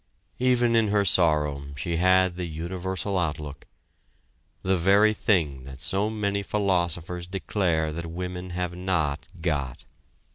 Even in her sorrow she had the universal outlook the very thing that so many philosophers declare that women have not got!